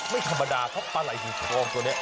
ไม่ธรรมดาเพราะปลาไหล้ธรรมตัวนี้